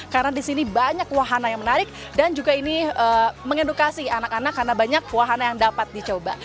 karena di sini banyak wahana yang menarik dan juga ini mengedukasi anak anak karena banyak wahana yang dapat dicoba